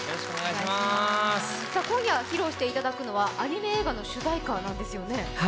今夜、披露していただくのはアニメ映画の主題歌なんですよね。